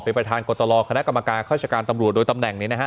เป็นประธานกตลอคณะกรรมการฆาติการตำรวจโดยตำแหน่งนี้นะฮะ